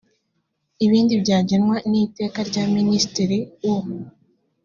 ibindi byagenwa n’iteka rya minisitiri u